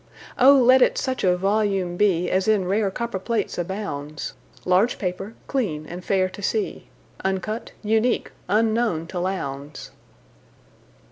Oh, let it such a volume beAs in rare copperplates abounds, Large paper, clean, and fair to see, Uncut, unique, unknown to Lowndes.